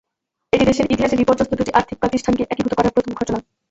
এটি দেশের ইতিহাসে বিপর্যস্ত দুটি আর্থিক প্রতিষ্ঠানকে একীভূত করার প্রথম ঘটনা।